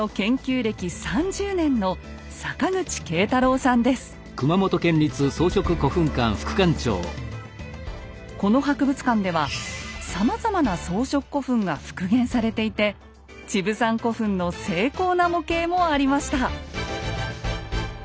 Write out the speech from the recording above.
歴３０年のこの博物館ではさまざまな装飾古墳が復元されていてチブサン古墳の精巧な模型もありました。